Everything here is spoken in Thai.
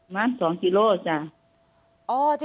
มา๒กิโลจ้ะ